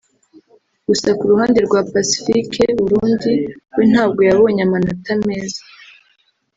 gusa ku ruhande rwa Pacifique (Burundi) we ntabwo yabonye amanota meza